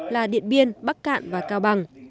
là điện biên bắc cạn và cao bằng